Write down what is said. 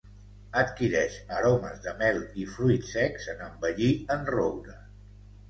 Adquireix aromes de mel i fruits secs en envellir en roure.